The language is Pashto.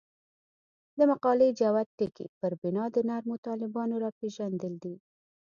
د مقالې جوت ټکی پر بنا د نرمو طالبانو راپېژندل دي.